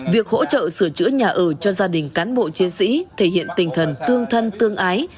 việc hỗ trợ sửa chữa nhà ở cho gia đình cán bộ chiến sĩ thể hiện tình thần tương thân tương ái